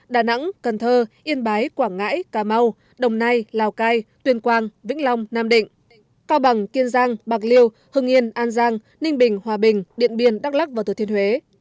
đà nẵng cần thơ yên bái quảng ngãi cà mau đồng nai lào cai tuyên quang vĩnh long nam định cao bằng kiên giang bạc liêu hưng yên an giang ninh bình hòa bình điện biên đắk lắc và thừa thiên huế